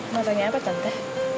mau tanya apa tante